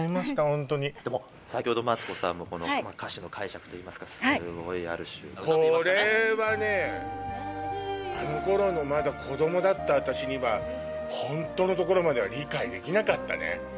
ホントにでも先ほどマツコさんも歌詞の解釈といいますかすごいある種これはねあの頃のまだ子供だった私にはホントのところまでは理解できなかったね